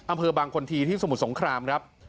อำเภอบางคนทีที่สมุทรสงครามครับ